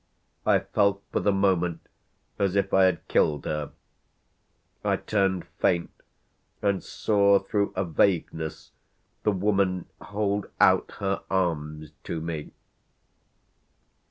I felt for the moment as if I had killed her; I turned faint and saw through a vagueness the woman hold out her arms to me.